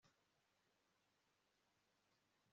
Ibyo Bobo yambwiye byose ni uko atishimye